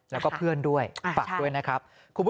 แล้วก็เพื่อนด้วยฝากด้วยนะครับ